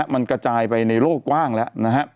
มันกระจายไปในโรคกว้างแล้ว